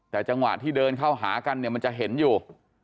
แต่จังหวะที่เดินเข้าหากันเนี่ยมันจะเห็นอยู่